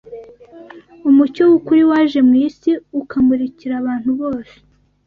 Umucyo w’ukuri waje mu isi ukamurikira abantu bose